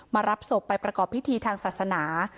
รับศพไปประกอบพิธีทางศาสนา